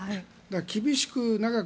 厳しく、長く。